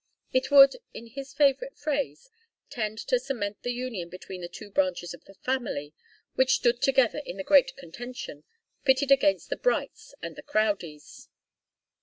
It would, in his favourite phrase, tend to cement the union between the two branches of the family which stood together in the great contention, pitted against the Brights and the Crowdies.